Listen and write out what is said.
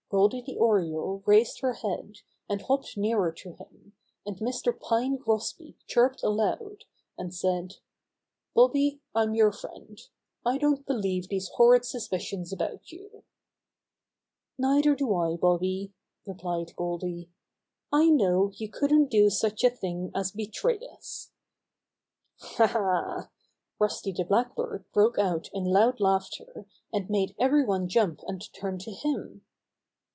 Goldy the Oriole raised her head, and hopped nearer to him, and Mr. Pine Grosbeak chirped aloud, and said: "Bobby, I'm your friend. I don't believe these horrid suspicions about you." "Neither do I, Bobby," replied Goldy. "I know you couldn't do such a thing as betray us." "Hal Ha!" Rusty the Blackbird broke out in loud laughter, and made every one jump and turn to him.